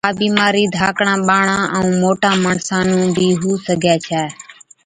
ها بِيمارِي ڌاڪڙان ٻاڙان ائُون موٽان ماڻسان نُون بِي هُو سِگھَي ڇَي